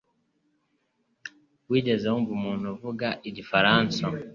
Wigeze wumva umuntu uvuga igifaransa?